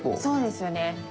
そうですよね。